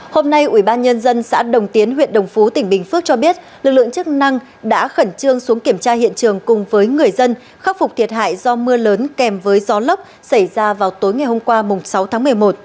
hôm nay ubnd xã đồng tiến huyện đồng phú tỉnh bình phước cho biết lực lượng chức năng đã khẩn trương xuống kiểm tra hiện trường cùng với người dân khắc phục thiệt hại do mưa lớn kèm với gió lốc xảy ra vào tối ngày hôm qua sáu tháng một mươi một